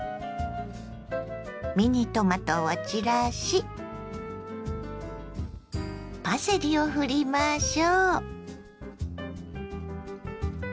ミニトマトを散らしパセリをふりましょ。